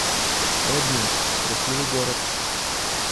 Обнинск — красивый город